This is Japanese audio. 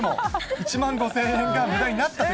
１万５０００円がむだになったという。